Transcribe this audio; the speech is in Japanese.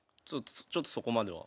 ちょっとそこまでは。